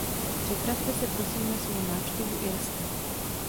Připravte se, prosím, na svou návštěvu Irska.